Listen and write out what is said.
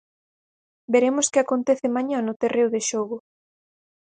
Veremos que acontece mañá no terreo de xogo.